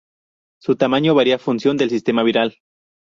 Su tamaño varía en función del sistema viral.